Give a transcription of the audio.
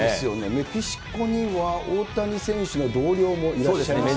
メキシコには大谷選手の同僚もいらっしゃいますよね。